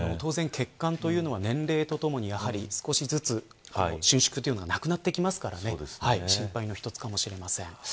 血管というのは年齢とともに少しずつ収縮がなくなってきますからね心配の一つかもしれません。